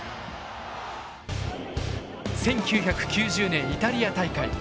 １９９０年イタリア大会。